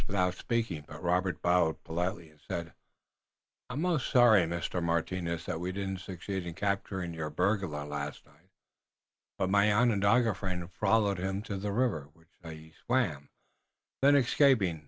without speaking, but Robert bowed politely and said: "I'm most sorry, Mr. Martinus, that we did not succeed in capturing your burglar last night, but my Onondaga friend followed him to the river, which he swam, then escaping.